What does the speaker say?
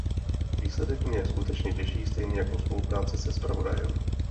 Výsledek mě skutečně těší, stejně jako spolupráce se zpravodajem.